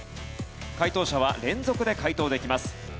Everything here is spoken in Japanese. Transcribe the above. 解答者は連続で解答できます。